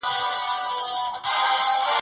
انځورګر هېڅ د سمندر ساحل لیدلی نهدی